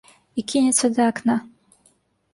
І кінецца да акна.